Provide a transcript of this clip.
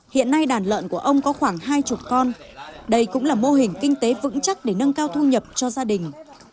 hiện nay đàn lợn của ông có khoảng hai mươi con đây cũng là mô hình kinh tế vững chắc để nâng cao thu nhập cho gia đình